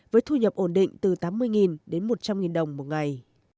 với thu nhập ổn định từ tám mươi đến một trăm linh đồng một ngày